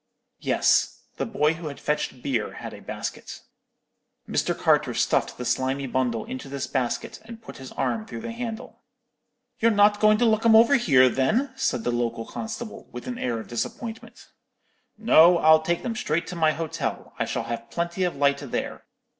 "Yes. The boy who had fetched beer had a basket. Mr. Carter stuffed the slimy bundle into this basket, and put his arm through the handle. "'You're not going to look 'em over here, then?' said the local constable, with an air of disappointment. "'No, I'll take them straight to my hotel; I shall have plenty of light there.